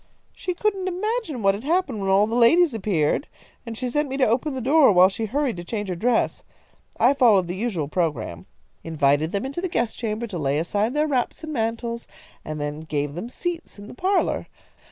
"She couldn't imagine what had happened when all the ladies appeared, and she sent me to open the door while she hurried to change her dress. I followed the usual programme; invited them into the guest chamber to lay aside their wraps and mantles, and then gave them seats in the parlour.